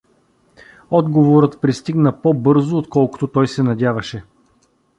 Отговорът пристигна по-бързо, отколкото той се надяваше.